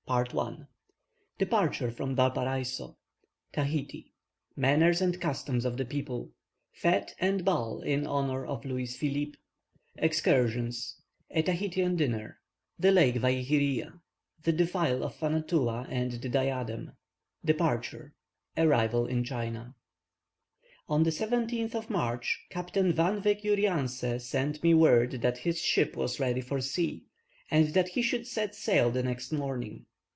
DEPARTURE FROM VALPARAISO TAHITI MANNERS AND CUSTOMS OF THE PEOPLE FETE AND BALL IN HONOUR OF LOUIS PHILIPPE EXCURSIONS A TAHITIAN DINNER THE LAKE VAIHIRIA THE DEFILE OF FANTAUA AND THE DIADEM DEPARTURE ARRIVAL IN CHINA. On the 17th of March, Captain Van Wyk Jurianse sent me word that his ship was ready for sea, and that he should set sail the next morning.